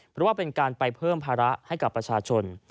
เพราะว่าเป็นการไปเพิ่มภาระให้กับประชาชน